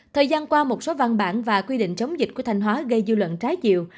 thời gian qua một số văn bản và quy định chống dịch của thanh hóa gây dư luận trái chiều